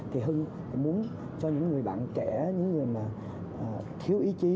thì hưng muốn cho những người bạn trẻ những người mà thiếu ý chí